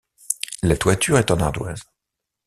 La toiture est en ardoise.